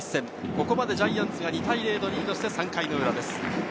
ここまでジャイアンツが２対０とリードして３回裏です。